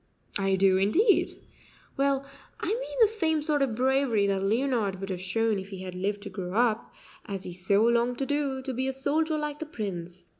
"I do, indeed." "Well, I mean the same sort of bravery that Leonard would have shown if he had lived to grow up, as he so longed to do, to be a soldier like the Prince.